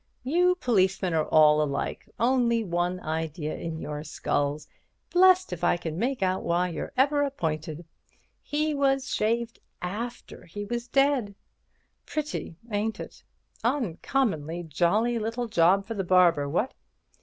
"You policemen are all alike—only one idea in your skulls. Blest if I can make out why you're ever appointed. He was shaved after he was dead. Pretty, ain't it? Uncommonly jolly little job for the barber, what?